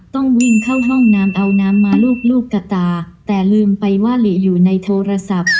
ต้องวิ่งเข้าห้องน้ำเอาน้ำมาลูบลูกกระตาแต่ลืมไปว่าหลีอยู่ในโทรศัพท์